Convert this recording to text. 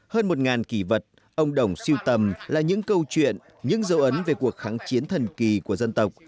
hơn một kỷ vật ông đồng siêu tầm là những câu chuyện những dấu ấn về cuộc kháng chiến thần kỳ của dân tộc